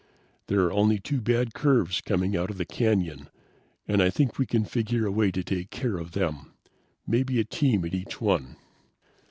There are only two bad curves coming out of the canyon, and I think we can figure a way to take care of them. Maybe a team at each one.